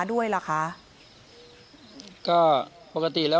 ๓๖ลุงพลแม่ตะเคียนเข้าสิงหรือเปล่า